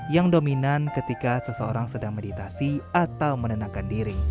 yang dominan ketika seseorang sedang meditasi atau menenangkan diri